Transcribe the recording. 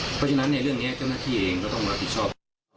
เพราะฉะนั้นเรื่องนี้เจ้าหน้าที่เองก็ต้องรับผิดชอบ